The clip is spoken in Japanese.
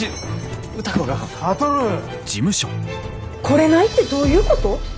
来れないってどういうこと？